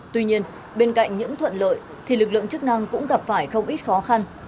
tuy nhiên bên cạnh những thuận lợi thì lực lượng chức năng cũng gặp phải không ít khó khăn